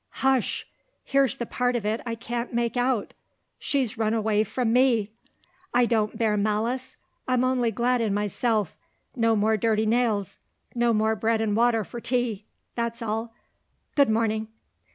Hush! Here's the part of it I can't make out She's run away from Me. I don't bear malice; I'm only glad in myself. No more dirty nails. No more bread and water for tea. That's all. Good morning."